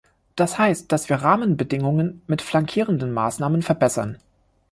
Das heißt, dass wir Rahmenbedingungen mit flankierenden Maßnahmen verbessern.